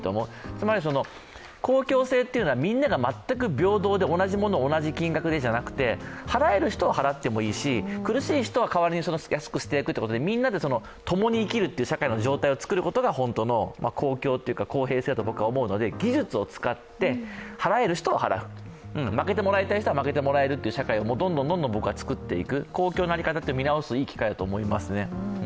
つまり公共性というのは、みんなが全く平等で同じ金額でじゃなくて払える人は払ってもいいし、苦しい人はかわりに安くしていくということでみんなでともに生きる社会を作るということが本当の公共というか、公平だと僕は思うので技術を使って、払える人は払う、負けてもらいたい人は負ける社会をどんどん作っていく、公共の在り方を見直すいい機会だと思いますね。